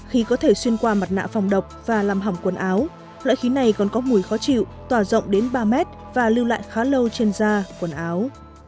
khi có thể xuyên qua mặt nạ phòng độc và làm hỏng quần áo loại khí này còn có mùi khó chịu tỏa rộng đến ba mét và lưu lại khá lâu trên da quần áo